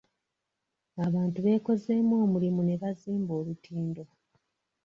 Abantu beekozeemu omulimu ne bazimba olutindo.